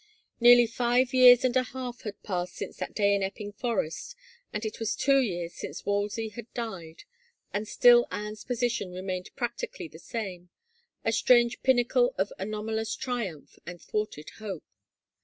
Nearly five years and a half had passed since that day in Epping forest, and it was two years since Wolsey had died, and still Anne's position remained practically the same, a strange pinnacle of anomalous triumph and thwarted hope.